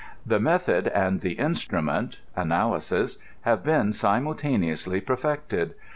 The method and the instrument (analysis) have been simultaneously per fected.